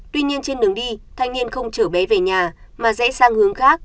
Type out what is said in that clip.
tuy nhiên trên đường đi thanh niên không chở bé về nhà mà rẽ sang hướng khác